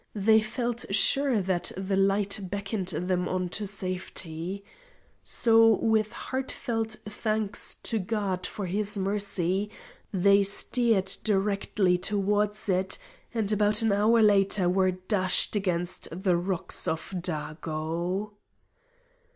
They felt sure that the light beckoned them on to safety. So, with heartfelt thanks to God for His mercy, they steered directly towards it, and about an hour later were dashed against the rocks of Dago.